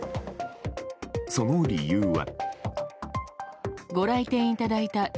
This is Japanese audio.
その理由は。